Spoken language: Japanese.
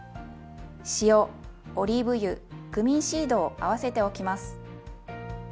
塩オリーブ油クミンシードを合わせておきます。